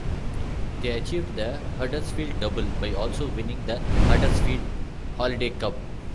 They achieved the Huddersfield double by also winning the Huddersfield Holliday cup.